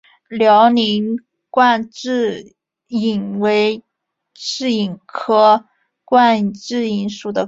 辽宁冠蛭蚓为蛭蚓科冠蛭蚓属的动物。